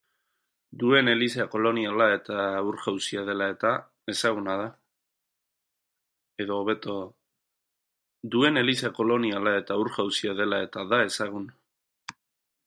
Duen eliza koloniala eta ur-jauzia dela eta ezaguna da.